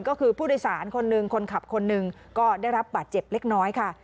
ก็คือผู้โดยสารคนหนึ่งคนขับคนหนึ่งก็ได้รับบาดเจ็บเล็กน้อยค่ะ